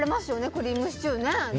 クリームシチュー。